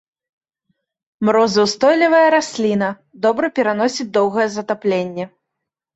Марозаўстойлівая расліна, добра пераносіць доўгае затапленне.